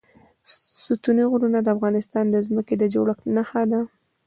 ستوني غرونه د افغانستان د ځمکې د جوړښت نښه ده.